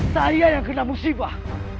saya yang kena musibah